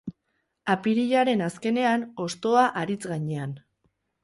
Apirilaren azkenean, hostoa haritz gainean.